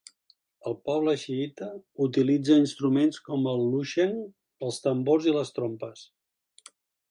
El poble xiïta utilitza instruments com el lusheng, els tambors i les trompes.